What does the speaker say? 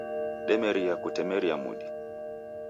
Demeria kutemeria mudi